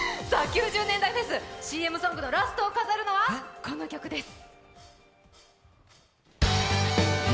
９０年代フェス、ＣＭソングのラストを飾るのはこの曲です。